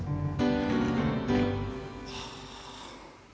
はあ。